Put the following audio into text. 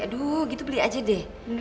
aduh gitu beli aja deh